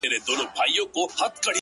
دى وايي دا ـ